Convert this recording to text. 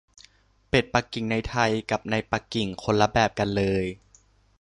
เป็ดปักกิ่งในไทยกับในปักกิ่งคนละแบบกันเลย